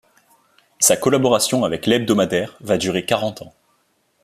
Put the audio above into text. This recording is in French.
Sa collaboration avec l'hebdomadaire va durer quarante ans.